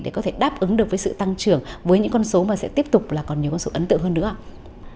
để có thể đáp ứng được với sự tăng trưởng với những con số mà sẽ tiếp tục là còn nhiều con sự ấn tượng hơn nữa ạ